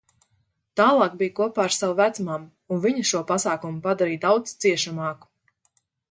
Tālāk biju kopā ar savu vecmammu, un viņa šo pasākumu padarīja daudz ciešamāku.